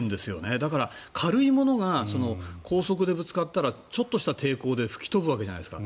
だから、軽いものが高速でぶつかったらちょっとした抵抗で吹き飛ぶわけじゃないですか。